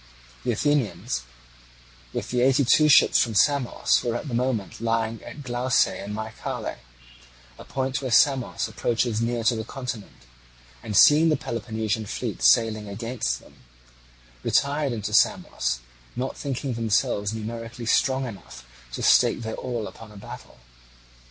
The Athenians with the eighty two ships from Samos were at the moment lying at Glauce in Mycale, a point where Samos approaches near to the continent; and, seeing the Peloponnesian fleet sailing against them, retired into Samos, not thinking themselves numerically strong enough to stake their all upon a battle.